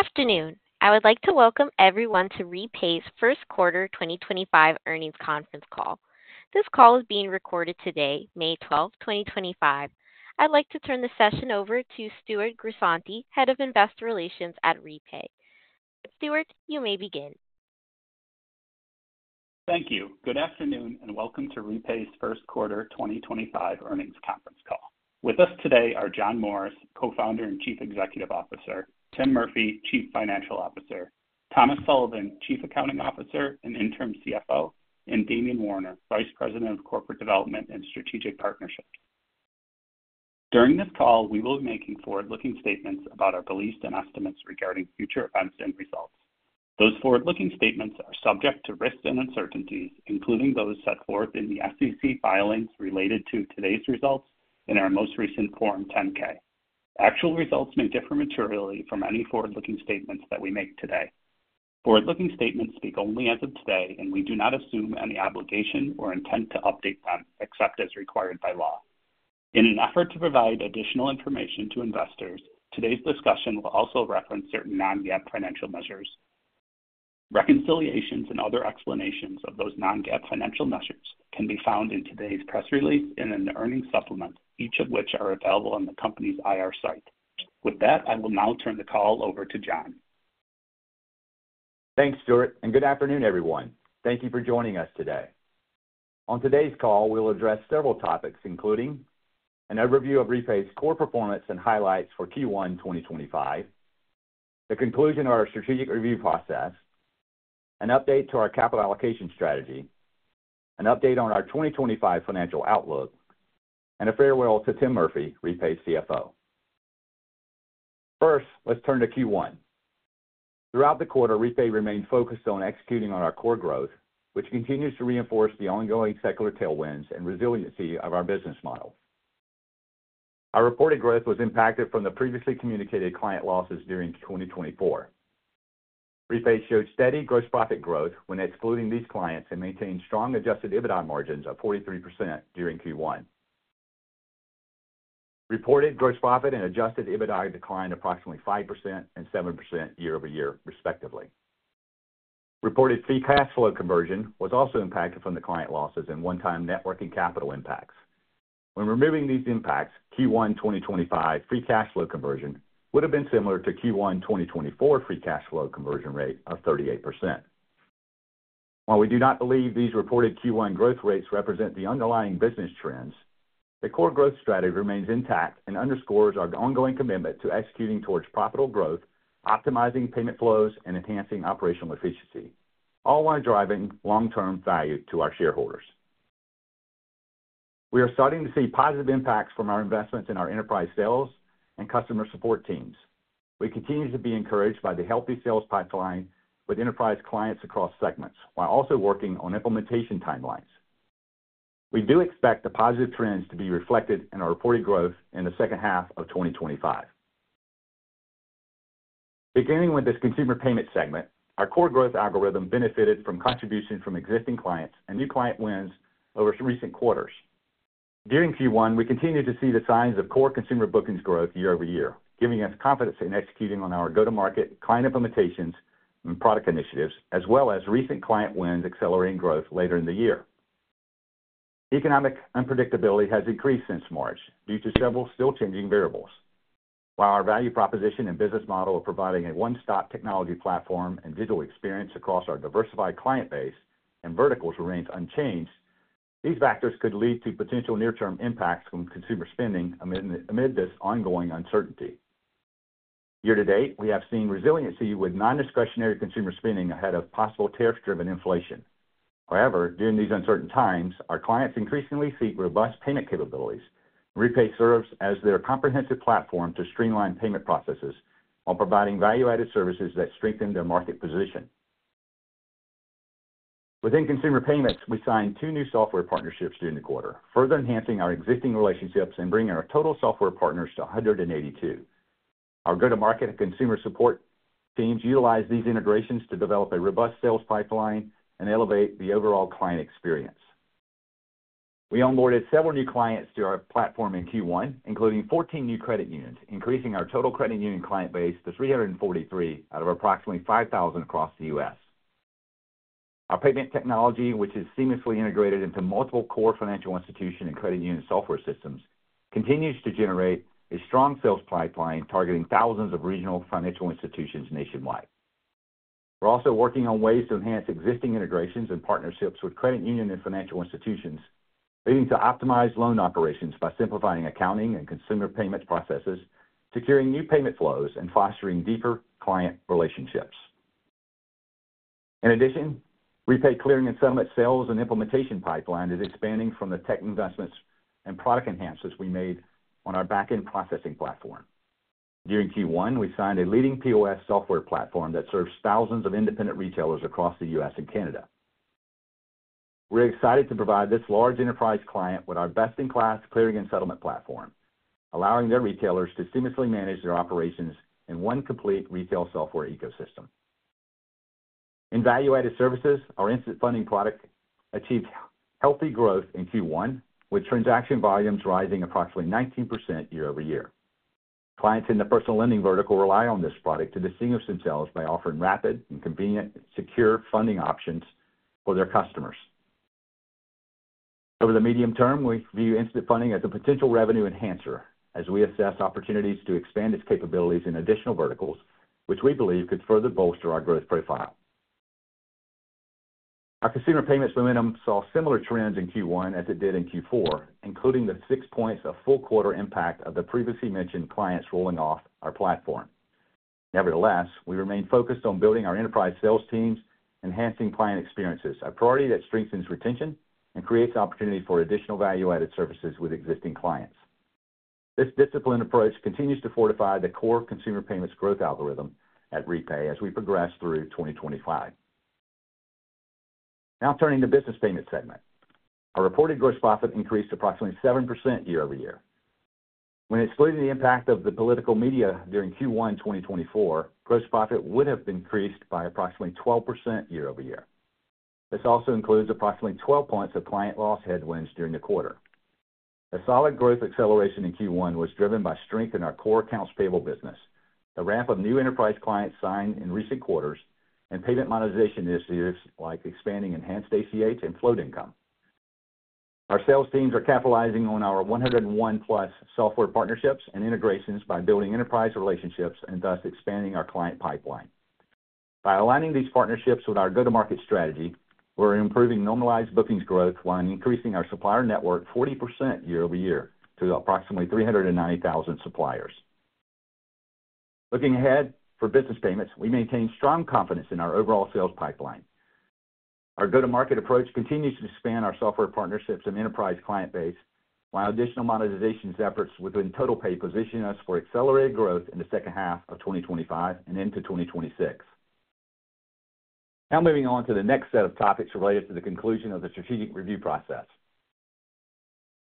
Good afternoon. I would like to welcome everyone to Repay's first quarter 2025 earnings conference call. This call is being recorded today, May 12, 2025. I'd like to turn the session over to Stewart Grisante, Head of Investor Relations at Repay. Stewart, you may begin. Thank you. Good afternoon and welcome to Repay's first quarter 2025 earnings conference call. With us today are John Morris, co-founder and Chief Executive Officer; Tim Murphy, Chief Financial Officer; Thomas Sullivan, Chief Accounting Officer and interim CFO; and Damian Warner, Vice President of Corporate Development and Strategic Partnerships. During this call, we will be making forward-looking statements about our beliefs and estimates regarding future events and results. Those forward-looking statements are subject to risks and uncertainties, including those set forth in the SEC filings related to today's results in our most recent Form 10-K. Actual results may differ materially from any forward-looking statements that we make today. Forward-looking statements speak only as of today, and we do not assume any obligation or intent to update them except as required by law. In an effort to provide additional information to investors, today's discussion will also reference certain non-GAAP financial measures. Reconciliations and other explanations of those non-GAAP financial measures can be found in today's press release and in the earnings supplement, each of which are available on the company's IR site. With that, I will now turn the call over to John. Thanks, Stewart, and good afternoon, everyone. Thank you for joining us today. On today's call, we'll address several topics, including an overview of Repay's core performance and highlights for Q1 2025, the conclusion of our strategic review process, an update to our capital allocation strategy, an update on our 2025 financial outlook, and a farewell to Tim Murphy, Repay's CFO. First, let's turn to Q1. Throughout the quarter, Repay remained focused on executing on our core growth, which continues to reinforce the ongoing secular tailwinds and resiliency of our business model. Our reported growth was impacted from the previously communicated client losses during Q2 2024. Repay showed steady gross profit growth when excluding these clients and maintained strong adjusted EBITDA margins of 43% during Q1. Reported gross profit and adjusted EBITDA declined approximately 5% and 7% year-over-year, respectively. Reported free cash flow conversion was also impacted from the client losses and one-time working capital impacts. When removing these impacts, Q1 2025 free cash flow conversion would have been similar to Q1 2024 free cash flow conversion rate of 38%. While we do not believe these reported Q1 growth rates represent the underlying business trends, the core growth strategy remains intact and underscores our ongoing commitment to executing towards profitable growth, optimizing payment flows, and enhancing operational efficiency, all while driving long-term value to our shareholders. We are starting to see positive impacts from our investments in our enterprise sales and customer support teams. We continue to be encouraged by the healthy sales pipeline with enterprise clients across segments, while also working on implementation timelines. We do expect the positive trends to be reflected in our reported growth in the second half of 2025. Beginning with this consumer payment segment, our core growth algorithm benefited from contributions from existing clients and new client wins over recent quarters. During Q1, we continued to see the signs of core consumer bookings growth year-over-year, giving us confidence in executing on our go-to-market client implementations and product initiatives, as well as recent client wins accelerating growth later in the year. Economic unpredictability has increased since March due to several still changing variables. While our value proposition and business model of providing a one-stop technology platform and digital experience across our diversified client base and verticals remains unchanged, these factors could lead to potential near-term impacts from consumer spending amid this ongoing uncertainty. Year to date, we have seen resiliency with non-discretionary consumer spending ahead of possible tariff-driven inflation. However, during these uncertain times, our clients increasingly seek robust payment capabilities. Repay serves as their comprehensive platform to streamline payment processes while providing value-added services that strengthen their market position. Within consumer payments, we signed two new software partnerships during the quarter, further enhancing our existing relationships and bringing our total software partners to 182. Our go-to-market and consumer support teams utilize these integrations to develop a robust sales pipeline and elevate the overall client experience. We onboarded several new clients to our platform in Q1, including 14 new credit unions, increasing our total credit union client base to 343 out of approximately 5,000 across the U.S. Our payment technology, which is seamlessly integrated into multiple core financial institution and credit union software systems, continues to generate a strong sales pipeline targeting thousands of regional financial institutions nationwide. We're also working on ways to enhance existing integrations and partnerships with credit union and financial institutions, leading to optimized loan operations by simplifying accounting and consumer payment processes, securing new payment flows, and fostering deeper client relationships. In addition, Repay clearing and settlement sales and implementation pipeline is expanding from the tech investments and product enhancements we made on our back-end processing platform. During Q1, we signed a leading POS software platform that serves thousands of independent retailers across the U.S. and Canada. We're excited to provide this large enterprise client with our best-in-class clearing and settlement platform, allowing their retailers to seamlessly manage their operations in one complete retail software ecosystem. In value-added services, our instant funding product achieved healthy growth in Q1, with transaction volumes rising approximately 19% year-over-year. Clients in the personal lending vertical rely on this product to distinguish themselves by offering rapid, convenient, and secure funding options for their customers. Over the medium term, we view instant funding as a potential revenue enhancer as we assess opportunities to expand its capabilities in additional verticals, which we believe could further bolster our growth profile. Our consumer payments momentum saw similar trends in Q1 as it did in Q4, including the six percentage points of full quarter impact of the previously mentioned clients rolling off our platform. Nevertheless, we remain focused on building our enterprise sales teams and enhancing client experiences, a priority that strengthens retention and creates opportunities for additional value-added services with existing clients. This disciplined approach continues to fortify the core consumer payments growth algorithm at Repay as we progress through 2025. Now turning to the business payments segment, our reported gross profit increased approximately 7% year-over-year. When excluding the impact of the political media during Q1 2024, gross profit would have increased by approximately 12% year-over-year. This also includes approximately 12 points of client loss headwinds during the quarter. A solid growth acceleration in Q1 was driven by strength in our core accounts payable business, the ramp of new enterprise clients signed in recent quarters, and payment monetization initiatives like expanding enhanced ACH and float income. Our sales teams are capitalizing on our 101+ software partnerships and integrations by building enterprise relationships and thus expanding our client pipeline. By aligning these partnerships with our go-to-market strategy, we're improving normalized bookings growth while increasing our supplier network 40% year-over-year to approximately 390,000 suppliers. Looking ahead for business payments, we maintain strong confidence in our overall sales pipeline. Our go-to-market approach continues to expand our software partnerships and enterprise client base, while additional monetization efforts within TotalPay position us for accelerated growth in the second half of 2025 and into 2026. Now moving on to the next set of topics related to the conclusion of the strategic review process.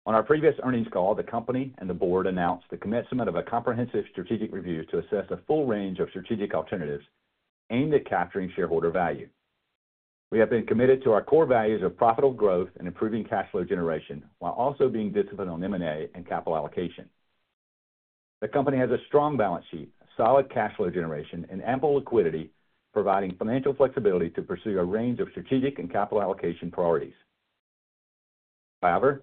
On our previous earnings call, the company and the board announced the commitment of a comprehensive strategic review to assess a full range of strategic alternatives aimed at capturing shareholder value. We have been committed to our core values of profitable growth and improving cash flow generation, while also being disciplined on M&A and capital allocation. The company has a strong balance sheet, solid cash flow generation, and ample liquidity, providing financial flexibility to pursue a range of strategic and capital allocation priorities. However,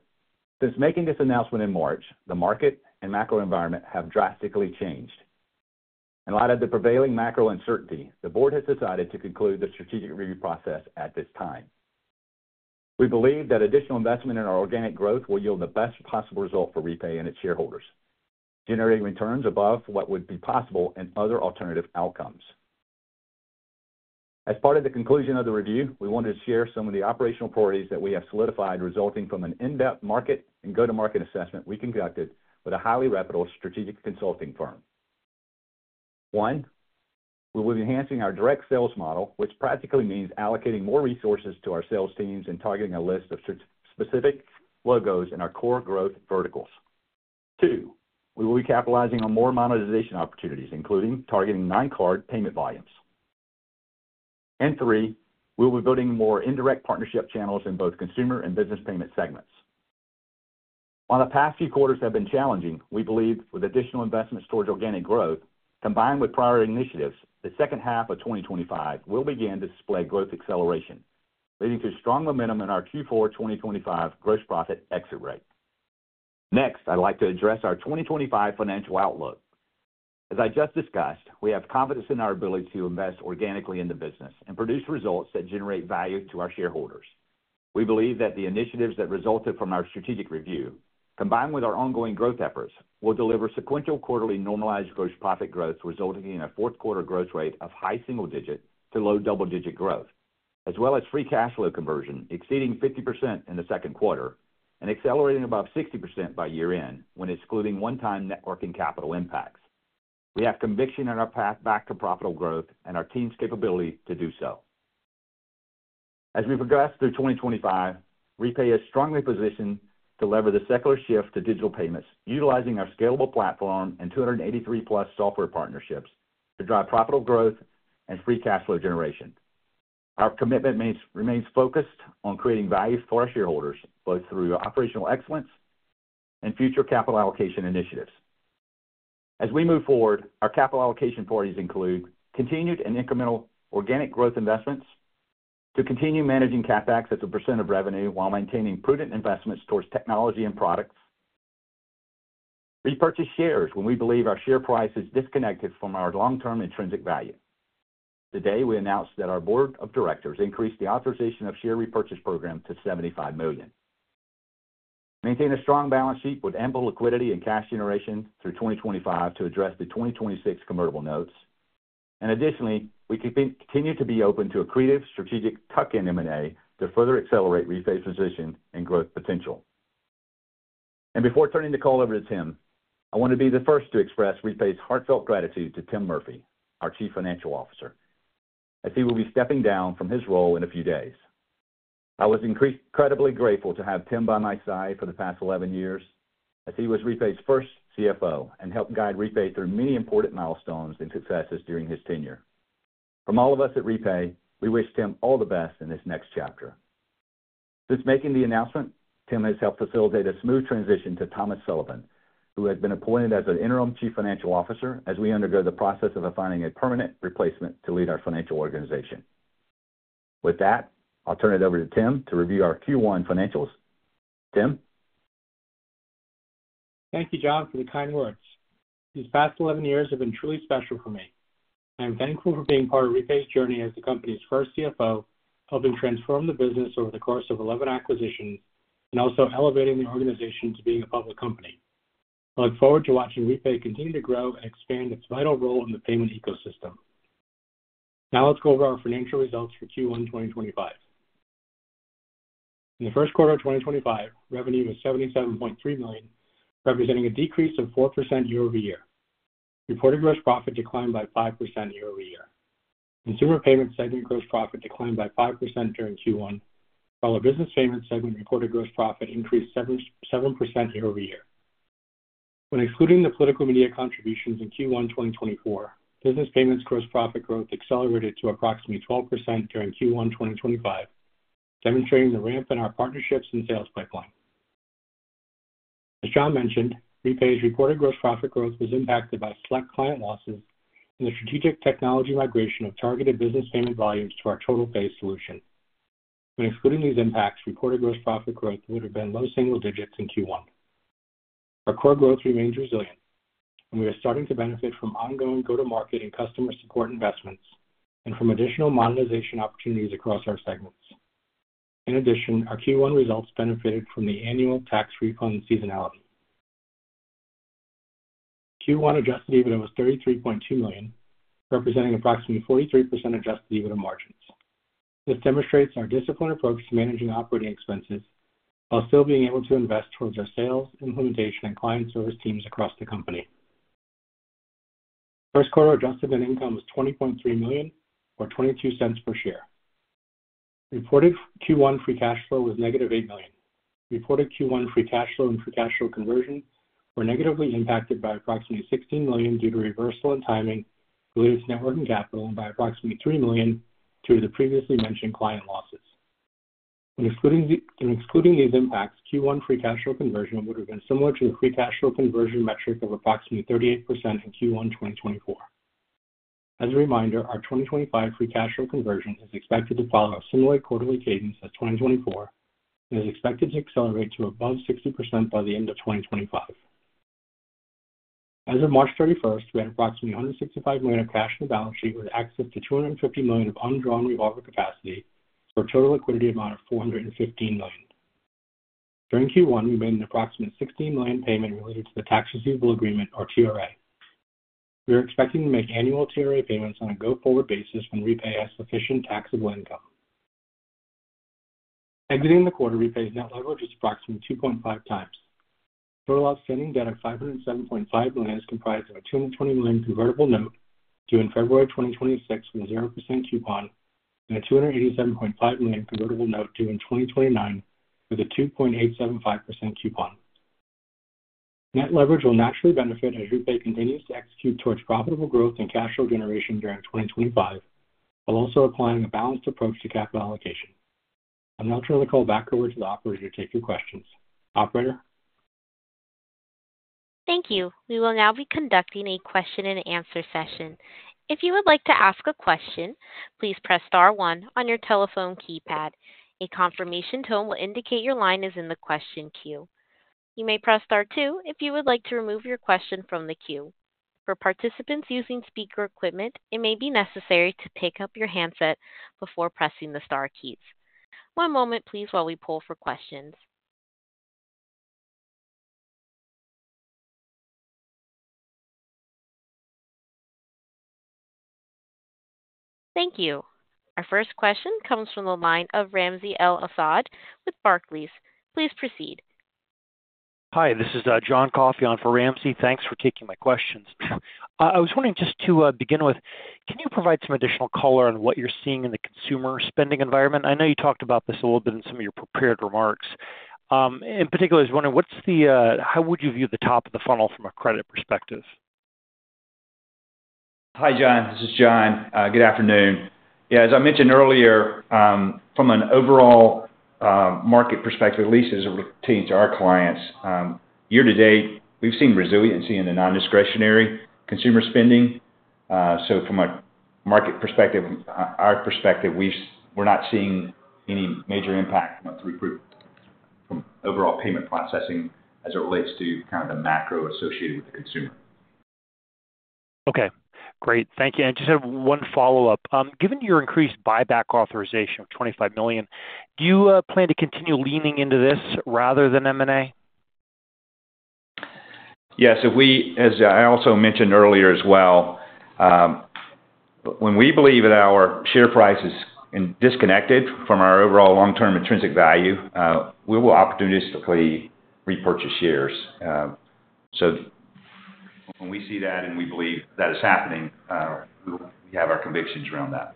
since making this announcement in March, the market and macro environment have drastically changed. In light of the prevailing macro uncertainty, the board has decided to conclude the strategic review process at this time. We believe that additional investment in our organic growth will yield the best possible result for Repay and its shareholders, generating returns above what would be possible in other alternative outcomes. As part of the conclusion of the review, we wanted to share some of the operational priorities that we have solidified resulting from an in-depth market and go-to-market assessment we conducted with a highly reputable strategic consulting firm. One, we will be enhancing our direct sales model, which practically means allocating more resources to our sales teams and targeting a list of specific logos in our core growth verticals. Two, we will be capitalizing on more monetization opportunities, including targeting non-card payment volumes. We will be building more indirect partnership channels in both consumer and business payment segments. While the past few quarters have been challenging, we believe with additional investments towards organic growth, combined with prior initiatives, the second half of 2025 will begin to display growth acceleration, leading to strong momentum in our Q4 2025 gross profit exit rate. Next, I'd like to address our 2025 financial outlook. As I just discussed, we have confidence in our ability to invest organically in the business and produce results that generate value to our shareholders. We believe that the initiatives that resulted from our strategic review, combined with our ongoing growth efforts, will deliver sequential quarterly normalized gross profit growth, resulting in a fourth-quarter growth rate of high single-digit to low double-digit growth, as well as free cash flow conversion exceeding 50% in the second quarter and accelerating above 60% by year-end when excluding one-time networking capital impacts. We have conviction in our path back to profitable growth and our team's capability to do so. As we progress through 2025, Repay is strongly positioned to lever the secular shift to digital payments, utilizing our scalable platform and 283+ software partnerships to drive profitable growth and free cash flow generation. Our commitment remains focused on creating value for our shareholders, both through operational excellence and future capital allocation initiatives. As we move forward, our capital allocation priorities include continued and incremental organic growth investments to continue managing CapEx at a % of revenue while maintaining prudent investments towards technology and products, repurchase shares when we believe our share price is disconnected from our long-term intrinsic value. Today, we announced that our board of directors increased the authorization of share repurchase programs to $75 million, maintained a strong balance sheet with ample liquidity and cash generation through 2025 to address the 2026 convertible notes. Additionally, we continue to be open to accretive strategic tuck-in M&A to further accelerate Repay's position and growth potential. Before turning the call over to Tim, I want to be the first to express Repay's heartfelt gratitude to Tim Murphy, our Chief Financial Officer, as he will be stepping down from his role in a few days. I was incredibly grateful to have Tim by my side for the past 11 years, as he was Repay's first CFO and helped guide Repay through many important milestones and successes during his tenure. From all of us at Repay, we wish Tim all the best in this next chapter. Since making the announcement, Tim has helped facilitate a smooth transition to Thomas Sullivan, who has been appointed as Interim Chief Financial Officer as we undergo the process of finding a permanent replacement to lead our financial organization. With that, I'll turn it over to Tim to review our Q1 financials. Tim? Thank you, John, for the kind words. These past 11 years have been truly special for me. I'm thankful for being part of Repay's journey as the company's first CFO, helping transform the business over the course of 11 acquisitions and also elevating the organization to being a public company. I look forward to watching Repay continue to grow and expand its vital role in the payment ecosystem. Now let's go over our financial results for Q1 2025. In the first quarter of 2025, revenue was $77.3 million, representing a decrease of 4% year-over-year. Reported gross profit declined by 5% year-over-year. Consumer payments segment gross profit declined by 5% during Q1, while the business payments segment reported gross profit increased 7% year-over-year. When excluding the political media contributions in Q1 2024, business payments gross profit growth accelerated to approximately 12% during Q1 2025, demonstrating the ramp in our partnerships and sales pipeline. As John mentioned, Repay's reported gross profit growth was impacted by select client losses and the strategic technology migration of targeted business payment volumes to our TotalPay solution. When excluding these impacts, reported gross profit growth would have been low single digits in Q1. Our core growth remains resilient, and we are starting to benefit from ongoing go-to-market and customer support investments and from additional monetization opportunities across our segments. In addition, our Q1 results benefited from the annual tax refund seasonality. Q1 adjusted EBITDA was $33.2 million, representing approximately 43% adjusted EBITDA margins. This demonstrates our disciplined approach to managing operating expenses while still being able to invest towards our sales, implementation, and client service teams across the company. First quarter adjusted net income was $20.3 million, or $0.22 per share. Reported Q1 free cash flow was negative$8 million. Reported Q1 free cash flow and free cash flow conversion were negatively impacted by approximately $16 million due to reversal in timing related to net working capital and by approximately $3 million due to the previously mentioned client losses. When excluding these impacts, Q1 free cash flow conversion would have been similar to the free cash flow conversion metric of approximately 38% in Q1 2024. As a reminder, our 2025 free cash flow conversion is expected to follow a similar quarterly cadence as 2024 and is expected to accelerate to above 60% by the end of 2025. As of March 31, we had approximately $165 million of cash in the balance sheet with access to $250 million of undrawn revolving capacity for a total liquidity amount of $415 million. During Q1, we made an approximate $16 million payment related to the tax receivable agreement, or TRA. We are expecting to make annual TRA payments on a go-forward basis when Repay has sufficient taxable income. Exiting the quarter, Repay's net leverage is approximately 2.5 times. Total outstanding debt of $507.5 million is comprised of a $220 million convertible note due in February 2026 with a 0% coupon and a $287.5 million convertible note due in 2029 with a 2.875% coupon. Net leverage will naturally benefit as Repay continues to execute towards profitable growth and cash flow generation during 2025 while also applying a balanced approach to capital allocation. I'm now turning the call back over to the operator to take your questions. Operator? Thank you. We will now be conducting a question-and-answer session. If you would like to ask a question, please press * one on your telephone keypad. A confirmation tone will indicate your line is in the question queue. You may press star two if you would like to remove your question from the queue. For participants using speaker equipment, it may be necessary to pick up your handset before pressing the star keys. One moment, please, while we pull for questions. Thank you. Our first question comes from the line of Ramsey L. Assad with Barclays. Please proceed. Hi, this is John Coffey on for Ramsey. Thanks for taking my questions. I was wondering just to begin with, can you provide some additional color on what you're seeing in the consumer spending environment? I know you talked about this a little bit in some of your prepared remarks. In particular, I was wondering, how would you view the top of the funnel from a credit perspective? Hi, John. This is John. Good afternoon. Yeah, as I mentioned earlier, from an overall market perspective, at least as it pertains to our clients, year-to-date, we've seen resiliency in the non-discretionary consumer spending. From a market perspective, our perspective, we're not seeing any major impact from an overall payment processing as it relates to kind of the macro associated with the consumer. Okay. Great. Thank you. I just have one follow-up. Given your increased buyback authorization of $25 million, do you plan to continue leaning into this rather than M&A? Yes. As I also mentioned earlier as well, when we believe that our share price is disconnected from our overall long-term intrinsic value, we will opportunistically repurchase shares. When we see that and we believe that is happening, we have our convictions around that.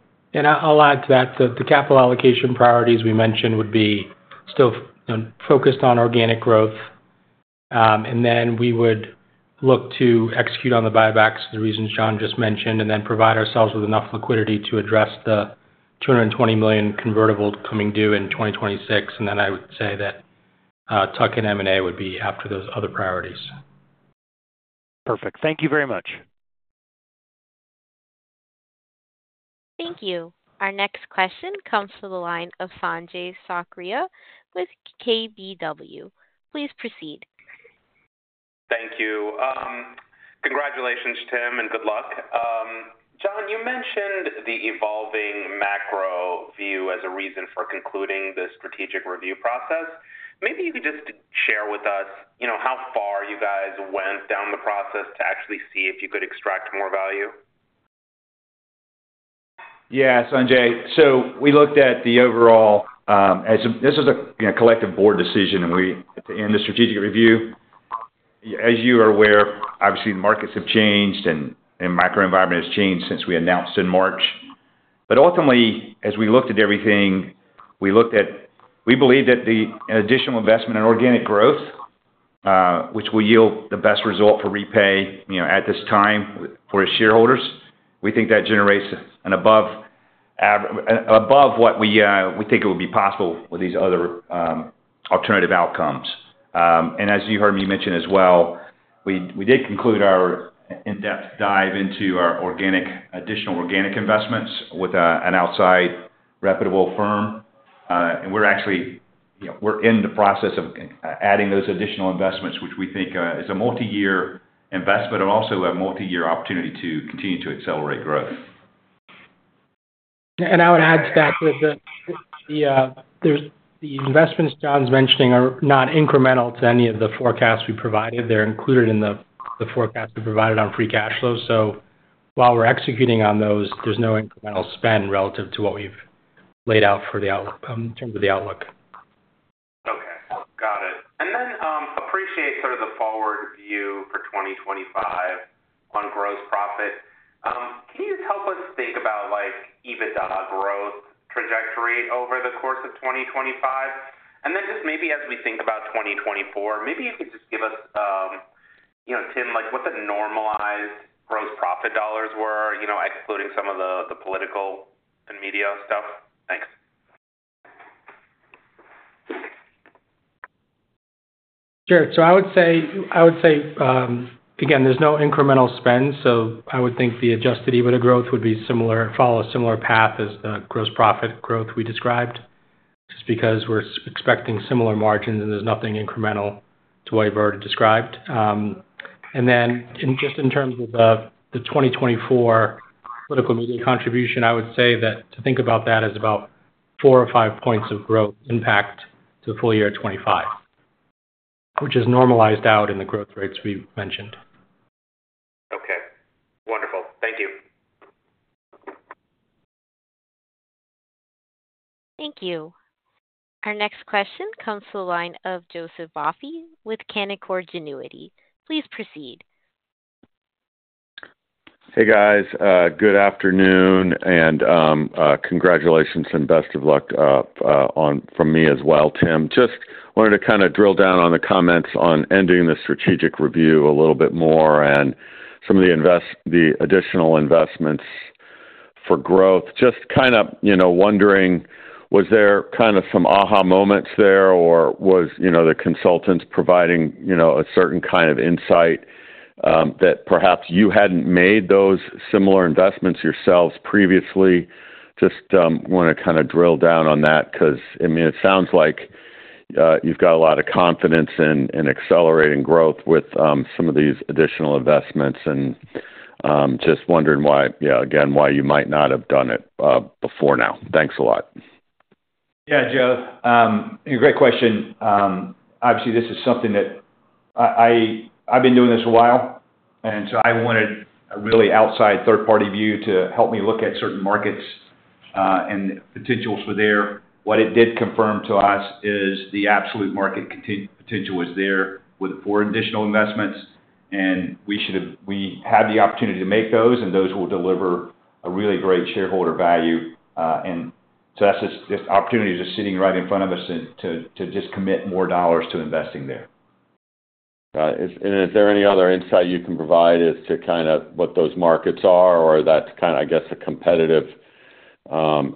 I'll add to that. The capital allocation priorities we mentioned would be still focused on organic growth. We would look to execute on the buybacks, the reasons John just mentioned, and then provide ourselves with enough liquidity to address the $220 million convertible coming due in 2026. I would say that tuck-in M&A would be after those other priorities. Perfect. Thank you very much. Thank you. Our next question comes from the line of Sanjay Sakhrani with KBW. Please proceed. Thank you. Congratulations, Tim, and good luck. John, you mentioned the evolving macro view as a reason for concluding the strategic review process. Maybe you could just share with us how far you guys went down the process to actually see if you could extract more value. Yeah, Sanjay. We looked at the overall, this was a collective board decision at the end of strategic review. As you are aware, obviously, the markets have changed and the macro environment has changed since we announced in March. Ultimately, as we looked at everything, we believe that the additional investment in organic growth, which will yield the best result for Repay at this time for its shareholders, we think that generates above what we think it would be possible with these other alternative outcomes. As you heard me mention as well, we did conclude our in-depth dive into our additional organic investments with an outside reputable firm. We are actually in the process of adding those additional investments, which we think is a multi-year investment and also a multi-year opportunity to continue to accelerate growth. I would add to that that the investments John's mentioning are not incremental to any of the forecasts we provided. They're included in the forecast we provided on free cash flow. While we're executing on those, there's no incremental spend relative to what we've laid out in terms of the outlook. Okay. Got it. I appreciate sort of the forward view for 2025 on gross profit. Can you just help us think about EBITDA growth trajectory over the course of 2025? Maybe as we think about 2024, could you just give us, Tim, what the normalized gross profit dollars were, excluding some of the political and media stuff? Thanks. Sure. I would say, again, there's no incremental spend. I would think the adjusted EBITDA growth would follow a similar path as the gross profit growth we described, just because we're expecting similar margins and there's nothing incremental to what you've already described. In terms of the 2024 political media contribution, I would say that to think about that as about four or five points of growth impact to the full year of 2025, which is normalized out in the growth rates we've mentioned. Okay. Wonderful. Thank you. Thank you. Our next question comes from the line of Joseph Vafi with Canaccord Genuity.Please proceed. Hey, guys. Good afternoon and congratulations and best of luck from me as well, Tim. Just wanted to kind of drill down on the comments on ending the strategic review a little bit more and some of the additional investments for growth. Just kind of wondering, was there kind of some aha moments there or was the consultants providing a certain kind of insight that perhaps you hadn't made those similar investments yourselves previously? Just want to kind of drill down on that because, I mean, it sounds like you've got a lot of confidence in accelerating growth with some of these additional investments and just wondering why, again, why you might not have done it before now. Thanks a lot. Yeah, Joe. Great question. Obviously, this is something that I've been doing this a while, and so I wanted a really outside third-party view to help me look at certain markets and potentials for there. What it did confirm to us is the absolute market potential was there for additional investments, and we had the opportunity to make those, and those will deliver a really great shareholder value. That is just opportunities just sitting right in front of us to just commit more dollars to investing there. Is there any other insight you can provide as to kind of what those markets are or that kind of, I guess, a competitive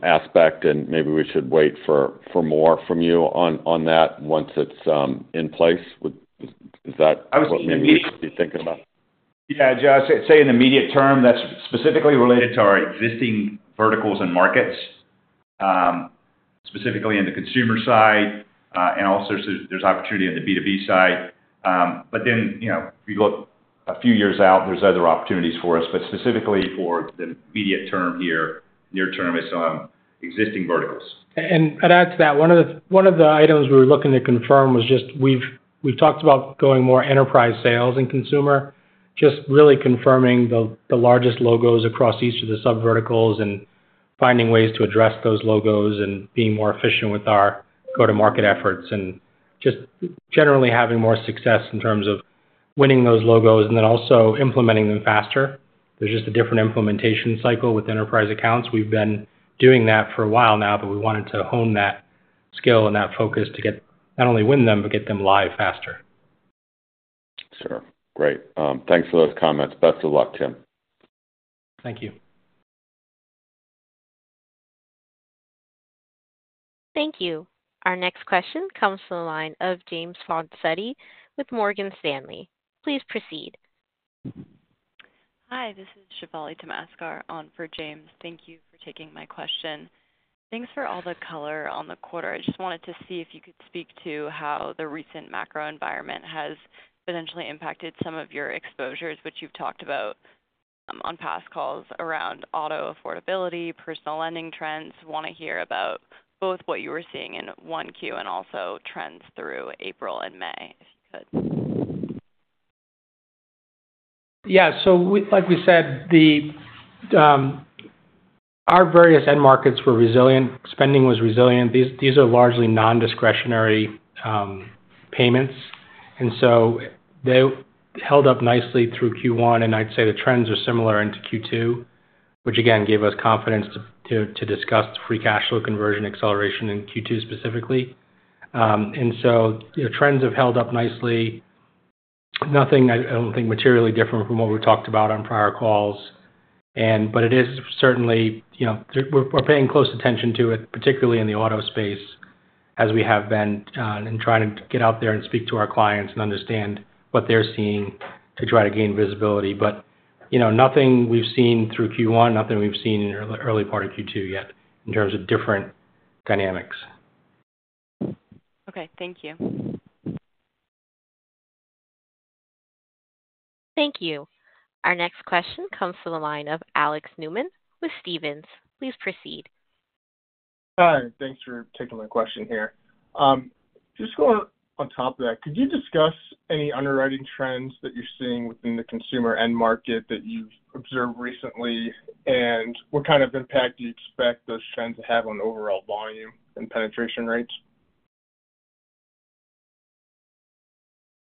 aspect and maybe we should wait for more from you on that once it's in place? Is that what you should be thinking about? Yeah, Joe. Say in the immediate term, that's specifically related to our existing verticals and markets, specifically in the consumer side, and also there's opportunity on the B2B side. If you look a few years out, there's other opportunities for us, but specifically for the immediate term here, near-term is existing verticals. Add to that, one of the items we were looking to confirm was just we've talked about going more enterprise sales and consumer, just really confirming the largest logos across each of the sub-verticals and finding ways to address those logos and being more efficient with our go-to-market efforts and just generally having more success in terms of winning those logos and then also implementing them faster. There is just a different implementation cycle with enterprise accounts. We've been doing that for a while now, but we wanted to hone that skill and that focus to not only win them but get them live faster. Sure. Great. Thanks for those comments. Best of luck, Tim. Thank you. Thank you. Our next question comes from the line of James Fonsetti with Morgan Stanley. Please proceed. Hi, this is Chevalier Tamaskar on for James. Thank you for taking my question. Thanks for all the color on the quarter. I just wanted to see if you could speak to how the recent macro environment has potentially impacted some of your exposures, which you've talked about on past calls around auto affordability, personal lending trends. Want to hear about both what you were seeing in Q1 and also trends through April and May, if you could. Yeah. Like we said, our various end markets were resilient. Spending was resilient. These are largely non-discretionary payments. They held up nicely through Q1, and I'd say the trends are similar into Q2, which again gave us confidence to discuss free cash flow conversion acceleration in Q2 specifically. Trends have held up nicely. Nothing, I don't think, materially different from what we talked about on prior calls. It is certainly we're paying close attention to it, particularly in the auto space as we have been in trying to get out there and speak to our clients and understand what they're seeing to try to gain visibility. Nothing we've seen through Q1, nothing we've seen in the early part of Q2 yet in terms of different dynamics. Okay. Thank you. Thank you. Our next question comes from the line of Alex Neumann with Stephens. Please proceed. Hi. Thanks for taking my question here. Just going on top of that, could you discuss any underwriting trends that you're seeing within the consumer end market that you've observed recently, and what kind of impact do you expect those trends to have on overall volume and penetration rates?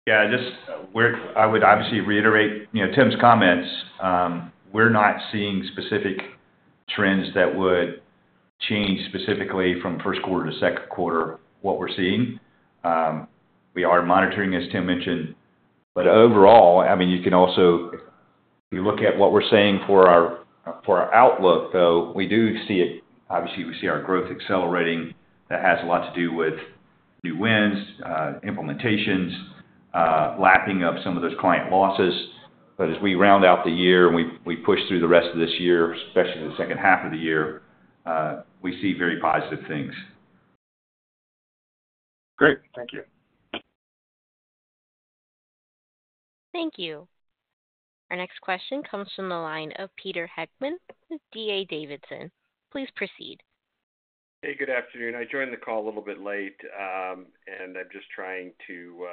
Yeah. I would obviously reiterate Tim's comments. We're not seeing specific trends that would change specifically from first quarter to second quarter what we're seeing. We are monitoring, as Tim mentioned. Overall, I mean, you can also if you look at what we're seeing for our outlook, though, we do see it. Obviously, we see our growth accelerating. That has a lot to do with new wins, implementations, lapping up some of those client losses. As we round out the year and we push through the rest of this year, especially the second half of the year, we see very positive things. Great. Thank you. Thank you. Our next question comes from the line of Peter Heckmann with D.A. Davidson. Please proceed. Hey, good afternoon. I joined the call a little bit late, and I'm just trying to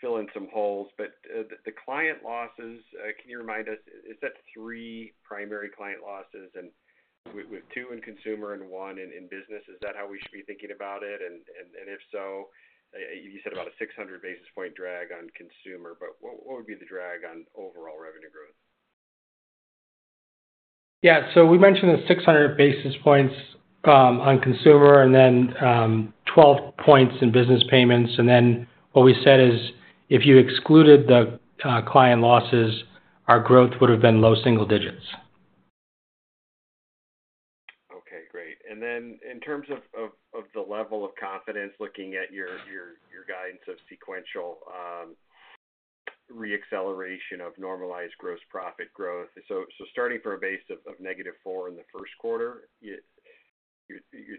fill in some holes. The client losses, can you remind us, is that three primary client losses? With two in consumer and one in business, is that how we should be thinking about it? If so, you said about a 600 basis point drag on consumer, but what would be the drag on overall revenue growth? Yeah. We mentioned the 600 basis points on consumer and then 12 basis points in business payments. What we said is if you excluded the client losses, our growth would have been low single digits. Okay. Great. In terms of the level of confidence, looking at your guidance of sequential re-acceleration of normalized gross profit growth, starting from a base of negative four in the first quarter, you're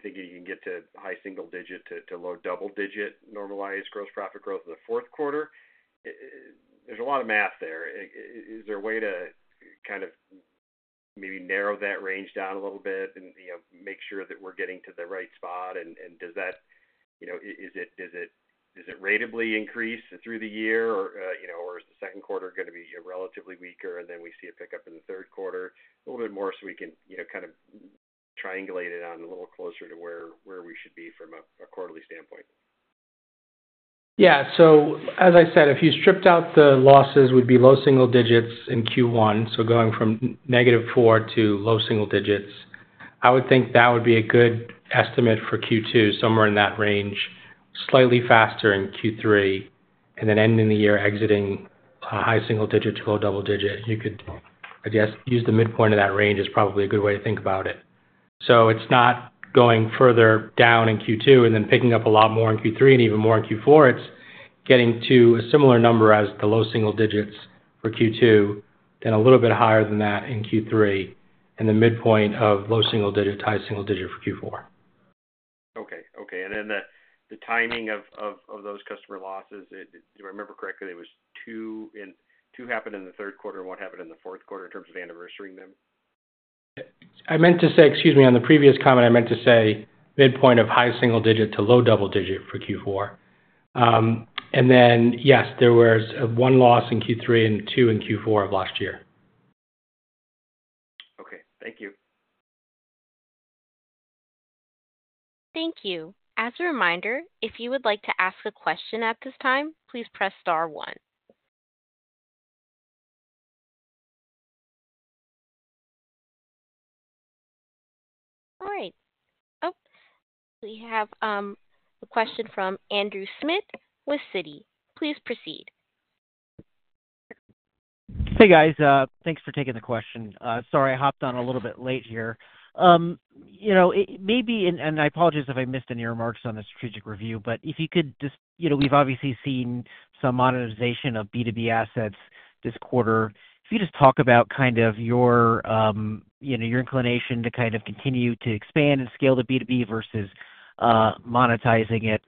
thinking you can get to high single digit to low double digit normalized gross profit growth in the fourth quarter. There's a lot of math there. Is there a way to kind of maybe narrow that range down a little bit and make sure that we're getting to the right spot? Does it ratably increase through the year, or is the second quarter going to be relatively weaker, and then we see a pickup in the third quarter a little bit more so we can kind of triangulate it on a little closer to where we should be from a quarterly standpoint? Yeah. As I said, if you stripped out the losses, it would be low single digits in Q1, so going from -4 to low single digits. I would think that would be a good estimate for Q2, somewhere in that range, slightly faster in Q3, and then ending the year exiting high single digit to low double digit. You could, I guess, use the midpoint of that range as probably a good way to think about it. It's not going further down in Q2 and then picking up a lot more in Q3 and even more in Q4. It's getting to a similar number as the low single digits for Q2, then a little bit higher than that in Q3, and the midpoint of low single digit, high single digit for Q4. Okay. Okay. The timing of those customer losses, if I remember correctly, it was two happened in the third quarter and one happened in the fourth quarter in terms of anniversary them? I meant to say, excuse me, on the previous comment, I meant to say midpoint of high single digit to low double digit for Q4. Yes, there was one loss in Q3 and two in Q4 of last year. Okay. Thank you. Thank you. As a reminder, if you would like to ask a question at this time, please press star one. All right. Oh, we have a question from Andrew Smith with Citi. Please proceed. Hey, guys. Thanks for taking the question. Sorry, I hopped on a little bit late here. Maybe, and I apologize if I missed any remarks on the strategic review, but if you could just, we've obviously seen some monetization of B2B assets this quarter. If you just talk about kind of your inclination to kind of continue to expand and scale the B2B versus monetizing it,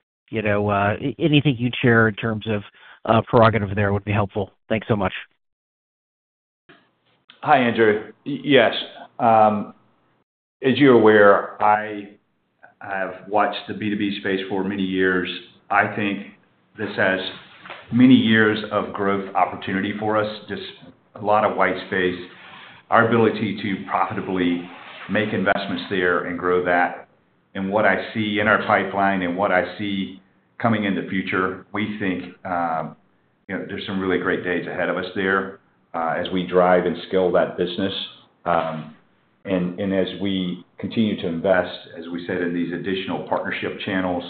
anything you'd share in terms of prerogative there would be helpful. Thanks so much. Hi, Andrew. Yes. As you're aware, I have watched the B2B space for many years. I think this has many years of growth opportunity for us, just a lot of white space, our ability to profitably make investments there and grow that. What I see in our pipeline and what I see coming in the future, we think there are some really great days ahead of us there as we drive and scale that business. As we continue to invest, as we said, in these additional partnership channels,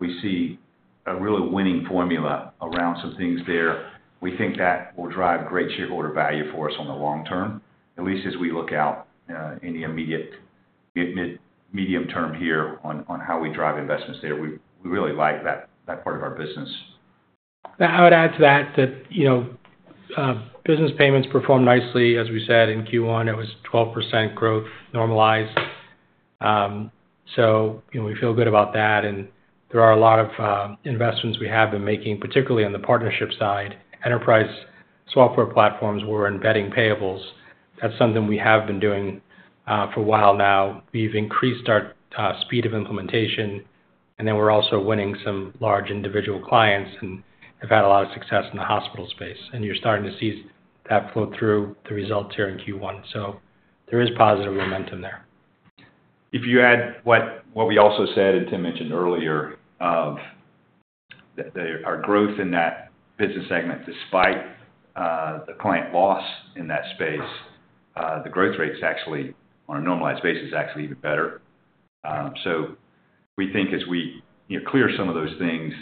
we see a really winning formula around some things there. We think that will drive great shareholder value for us in the long term, at least as we look out in the immediate medium term here on how we drive investments there. We really like that part of our business. I would add to that that business payments performed nicely, as we said, in Q1. It was 12% growth normalized. We feel good about that. There are a lot of investments we have been making, particularly on the partnership side, enterprise software platforms where we're embedding payables. That's something we have been doing for a while now. We've increased our speed of implementation, and we're also winning some large individual clients and have had a lot of success in the hospital space. You're starting to see that flow through the results here in Q1. There is positive momentum there. If you add what we also said and Tim mentioned earlier of our growth in that business segment, despite the client loss in that space, the growth rates actually on a normalized basis is actually even better. We think as we clear some of those things,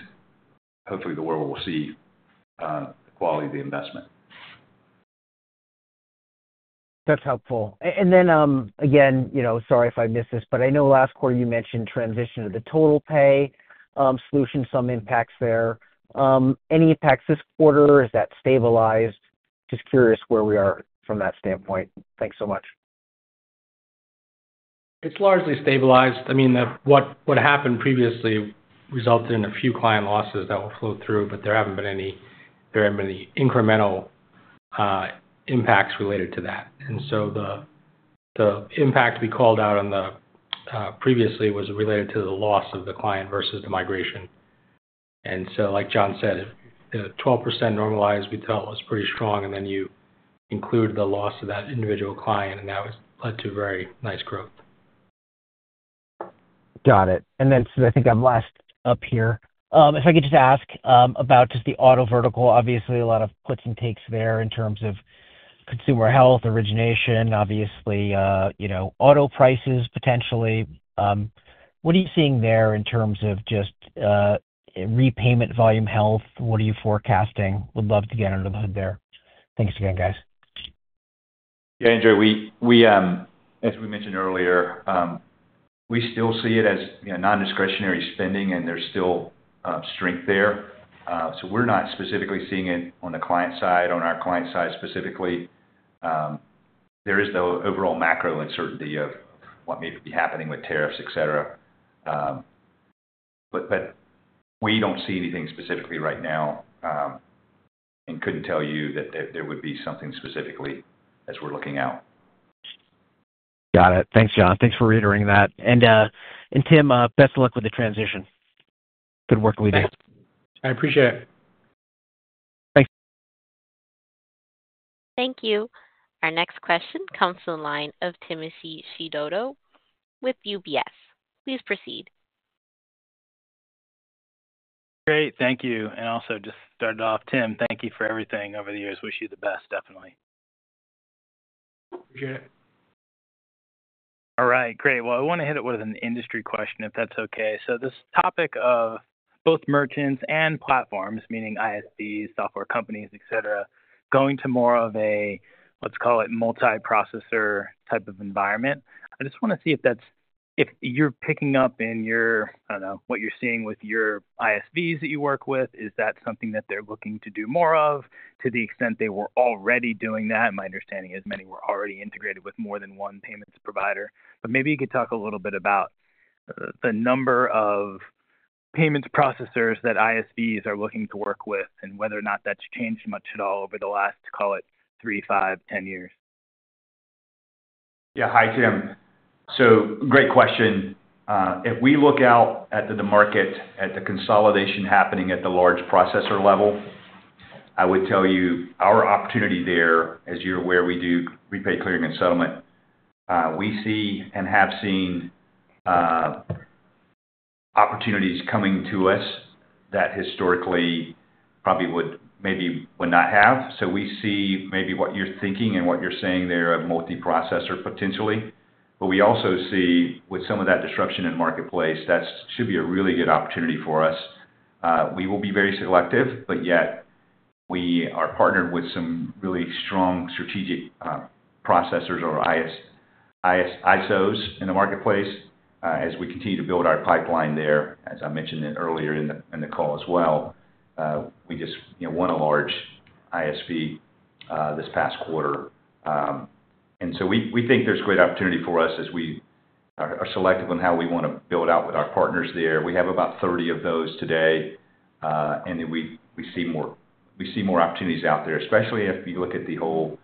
hopefully the world will see the quality of the investment. That's helpful. And then again, sorry if I missed this, but I know last quarter you mentioned transition to the total Pay solution, some impacts there. Any impacts this quarter? Is that stabilized? Just curious where we are from that standpoint. Thanks so much. It's largely stabilized. I mean, what happened previously resulted in a few client losses that will flow through, but there haven't been any incremental impacts related to that. The impact we called out previously was related to the loss of the client versus the migration. Like John said, the 12% normalized we dealt was pretty strong, and then you include the loss of that individual client, and that led to very nice growth. Got it. I think I'm last up here. If I could just ask about just the auto vertical, obviously a lot of puts and takes there in terms of consumer health, origination, obviously auto prices potentially. What are you seeing there in terms of just repayment volume health? What are you forecasting? Would love to get under the hood there. Thanks again, guys. Yeah, Andrew. As we mentioned earlier, we still see it as non-discretionary spending, and there's still strength there. So we're not specifically seeing it on the client side, on our client side specifically. There is the overall macro uncertainty of what may be happening with tariffs, etc. We do not see anything specifically right now and could not tell you that there would be something specifically as we are looking out. Got it. Thanks, John. Thanks for reiterating that. And Tim, best of luck with the transition. Good work we do. I appreciate it. Thanks. Thank you. Our next question comes from the line of Timothy chiodo with UBS. Please proceed. Great. Thank you. Also, just to start off, Tim, thank you for everything over the years. Wish you the best, definitely. Appreciate it. All right. Great. I want to hit it with an industry question, if that's okay. This topic of both merchants and platforms, meaning ISVs, software companies, etc., going to more of a, let's call it, multi-processor type of environment. I just want to see if you're picking up in your, I don't know, what you're seeing with your ISVs that you work with. Is that something that they're looking to do more of to the extent they were already doing that? My understanding is many were already integrated with more than one payments provider. Maybe you could talk a little bit about the number of payments processors that ISVs are looking to work with and whether or not that's changed much at all over the last, call it, 3, 5, 10 years. Yeah. Hi, Tim. Great question. If we look out at the market, at the consolidation happening at the large processor level, I would tell you our opportunity there, as you're aware, we do Repay, clearing, and settlement. We see and have seen opportunities coming to us that historically probably maybe would not have. We see maybe what you're thinking and what you're saying there of multi-processor potentially. We also see with some of that disruption in the marketplace, that should be a really good opportunity for us. We will be very selective, but yet we are partnered with some really strong strategic processors or ISOs in the marketplace as we continue to build our pipeline there. As I mentioned earlier in the call as well, we just won a large ISV this past quarter. We think there is great opportunity for us as we are selective on how we want to build out with our partners there. We have about 30 of those today, and we see more opportunities out there, especially if you look at the whole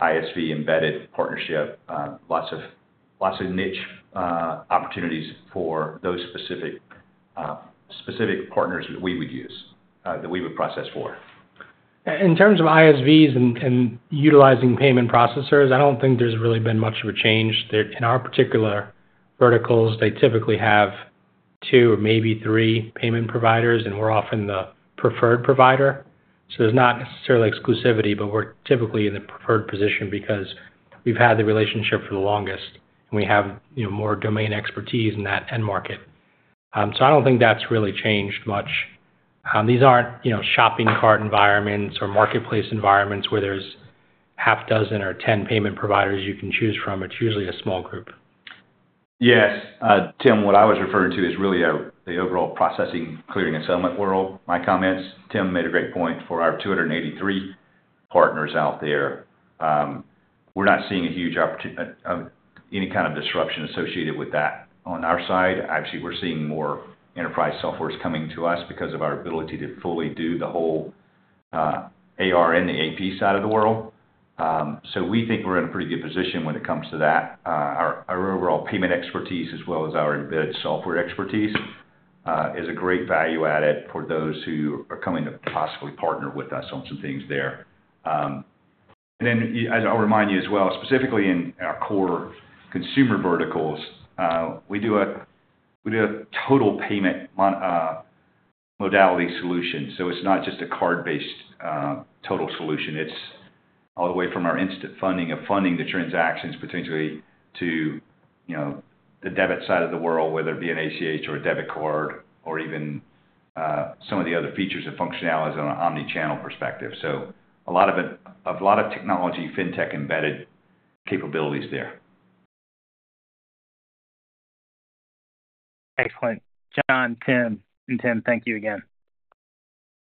ISV embedded partnership, lots of niche opportunities for those specific partners that we would use, that we would process for. In terms of ISVs and utilizing payment processors, I do not think there has really been much of a change. In our particular verticals, they typically have two or maybe three payment providers, and we are often the preferred provider. There's not necessarily exclusivity, but we're typically in the preferred position because we've had the relationship for the longest, and we have more domain expertise in that end market. I don't think that's really changed much. These aren't shopping cart environments or marketplace environments where there's half dozen or 10 payment providers you can choose from. It's usually a small group. Yes. Tim, what I was referring to is really the overall processing, clearing, and settlement world. My comments, Tim made a great point for our 283 partners out there. We're not seeing any kind of disruption associated with that on our side. Actually, we're seeing more enterprise softwares coming to us because of our ability to fully do the whole AR and the AP side of the world. We think we're in a pretty good position when it comes to that. Our overall payment expertise, as well as our embedded software expertise, is a great value added for those who are coming to possibly partner with us on some things there. I'll remind you as well, specifically in our core consumer verticals, we do a total payment modality solution. It is not just a card-based total solution. It is all the way from our instant funding of funding the transactions potentially to the debit side of the world, whether it be an ACH or a debit card or even some of the other features and functionalities on an omnichannel perspective. A lot of technology, fintech embedded capabilities there. Excellent. John, Tim, and Tim, thank you again.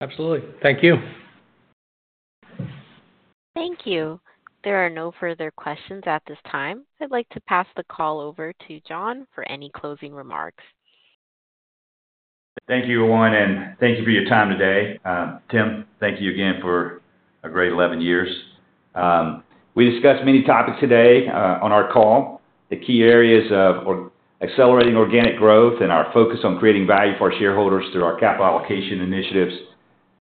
Absolutely. Thank you. Thank you. There are no further questions at this time. I'd like to pass the call over to John for any closing remarks. Thank you, everyone, and thank you for your time today. Tim, thank you again for a great 11 years. We discussed many topics today on our call, the key areas of accelerating organic growth and our focus on creating value for our shareholders through our capital allocation initiatives.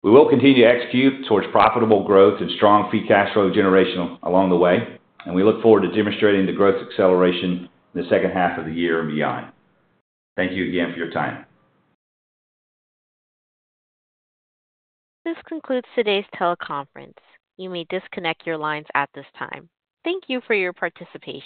We will continue to execute towards profitable growth and strong free cash flow generation along the way, and we look forward to demonstrating the growth acceleration in the second half of the year and beyond. Thank you again for your time. This concludes today's teleconference. You may disconnect your lines at this time. Thank you for your participation.